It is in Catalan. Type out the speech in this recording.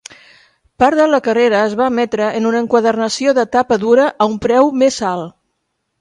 Part de la carrera es va emetre en un enquadernació de tapa dura a un preu més alt.